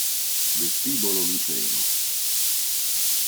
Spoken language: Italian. Vestibolo Lucero